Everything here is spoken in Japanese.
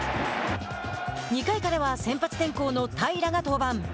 ２回からは先発転向の平良が登板。